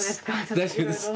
大丈夫ですか？